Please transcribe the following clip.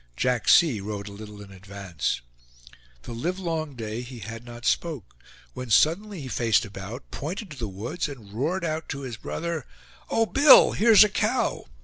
Jack C. rode a little in advance; The livelong day he had not spoke; when suddenly he faced about, pointed to the woods, and roared out to his brother: "O Bill! here's a cow!"